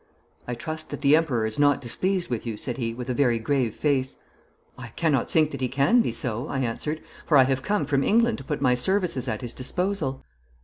'I trust that the Emperor is not displeased with you,' said he, with a very grave face. 'I cannot think that he can be so,' I answered, 'for I have come from England to put my services at his disposal.'